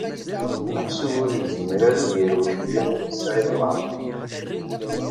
Meḥsub ur yezmir ara ad yerwel Lyamin n Saɛid Waɛmeṛ.